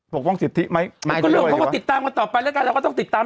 ปกป้องสิทธิไหมก็ติดตามเขาต่อไปแล้วกันเราก็ต้องติดตาม